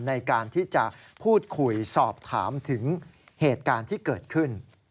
ในการที่จะพูดคุยสอบถามถึงเหตุการณ์ที่เกิดขึ้น